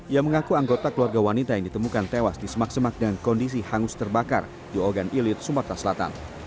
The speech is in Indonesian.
ia mengaku anggota keluarga wanita yang ditemukan tewas di semak semak dengan kondisi hangus terbakar di ogan ilir sumatera selatan